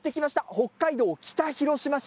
北海道北広島市。